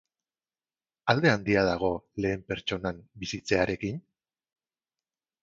Alde handia dago lehen pertsonan bizitzearekin?